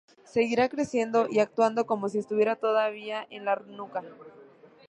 Seguirá creciendo y actuando como si estuviera todavía en la nuca.